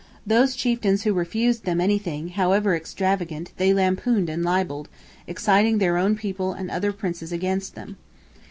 Those chieftains who refused them anything, however extravagant, they lampooned and libelled, exciting their own people and other princes against them.